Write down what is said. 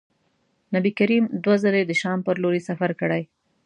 نبي کریم دوه ځلي د شام پر لوري سفر کړی.